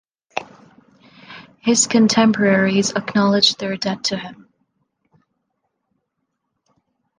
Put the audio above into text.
His contemporaries acknowledged their debt to him.